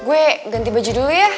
gue ganti baju dulu ya